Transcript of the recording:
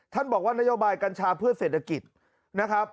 บอกว่านโยบายกัญชาเพื่อเศรษฐกิจนะครับ